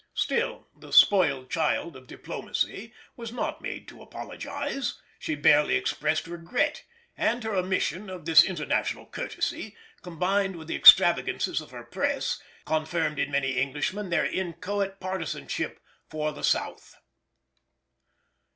Still the "spoiled child of diplomacy" was not made to apologise—she barely expressed regret, and her omission of this international courtesy, combined with the extravagances of her press, confirmed in many Englishmen their inchoate partisanship for the South.